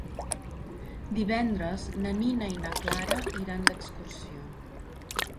Divendres na Nina i na Clara iran d'excursió.